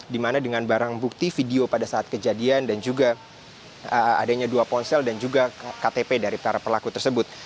dimana dengan barang bukti video pada saat kejadian dan juga adanya dua ponsel dan juga ktp dari para pelaku tersebut